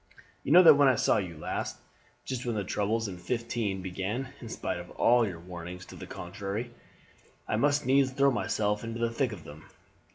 You know that when I saw you last just when the troubles in '15 began in spite of all your warnings to the contrary, I must needs throw myself into the thick of them.